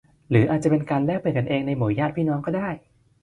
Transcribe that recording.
หรืออาจจะแลกเปลี่ยนกันเองในหมู่ญาติพี่น้องก็ได้